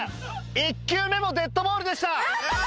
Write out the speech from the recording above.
１球目もデッドボールでした。